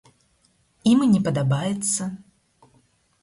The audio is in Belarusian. Ім і не падабаецца.